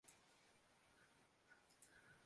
這世界很煩